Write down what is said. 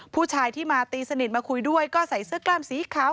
ผู้ชายที่มาตีสนิทมาคุยด้วยก็ใส่เสื้อกล้ามสีขาว